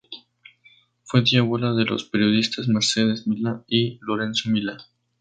Fue tía abuela de los periodistas Mercedes Milá y Lorenzo Milá.